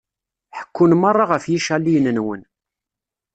Ḥekkun merra ɣef yicaliyen-nwen.